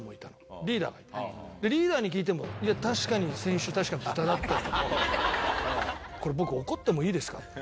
リーダーがいてリーダーに聞いても「いや確かに先週確かに豚だった」。「これ僕怒ってもいいですか？」。